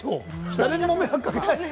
誰にも迷惑かけてないし。